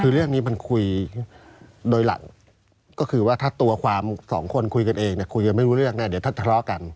คือเรื่องนี้มันคุยโดยหลักก็คือว่าถ้าตัวความสองคนคุยกันเองเนี่ยคุยกันไม่รู้เรื่องเนี่ยเดี๋ยวถ้าทะเลาะกัน